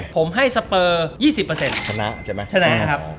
ผมให้สเปอร์๒๐ชนะครับ